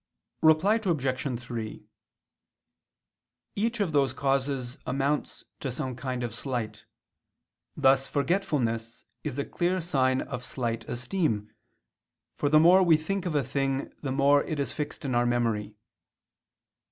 Reply Obj. 3: Each of those causes amounts to some kind of slight. Thus forgetfulness is a clear sign of slight esteem, for the more we think of a thing the more is it fixed in our memory.